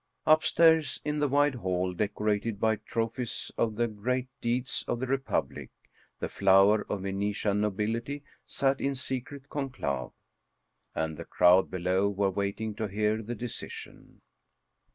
Upstairs, in the wide hall decorated by trophies of the great deeds of the Republic, the flower of Venetian nobility sat in secret conclave, and the crowd below were waiting to hear the decision.